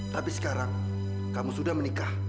tapi sekarang kamu sudah menikah